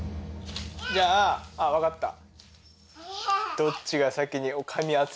じゃあ分かった。